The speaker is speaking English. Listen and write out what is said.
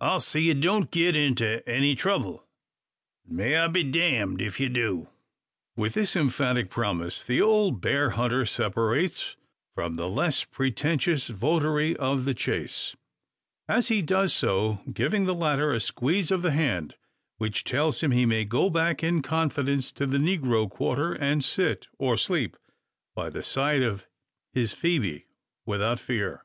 I'll see you don't git into any trouble. May I be damned ef ye do!" With this emphatic promise, the old bear hunter separates from the less pretentious votary of the chase; as he does so giving the latter a squeeze of the hand, which tells him he may go back in confidence to the negro quarter, and sit, or sleep, by the side of his Phoebe, without fear.